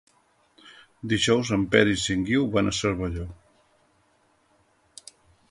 Dijous en Peris i en Guiu van a Cervelló.